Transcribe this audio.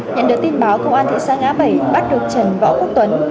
nhận được tin báo công an thị xã ngã bảy bắt được trần võ quốc tuấn